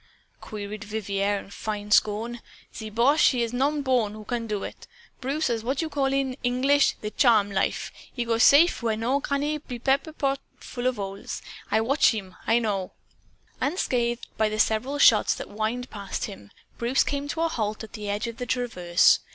queried Vivier in fine scorn. "The boche he is no borned who can do it. Bruce has what you call it, in Ainglish, the 'charm life.' He go safe, where other caniche be pepper potted full of holes. I've watch heem. I know." Unscathed by the several shots that whined past him, Bruce came to a halt at the edge of a traverse.